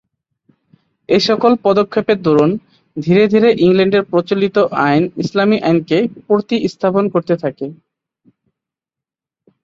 এ সকল পদক্ষেপের দরুন ধীরে ধীরে ইংল্যান্ডের প্রচলিত আইন ইসলামী আইনকে প্রতিস্থাপন করতে থাকে।